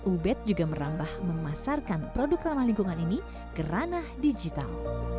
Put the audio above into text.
ubed juga merambah memasarkan produk ramah lingkungan ini ke ranah digital